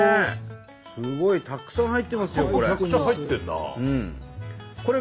すごいたくさん入ってますよこれ。